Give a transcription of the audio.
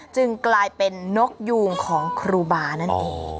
จึงกลายเป็นนกยูงของครูบานั่นเอง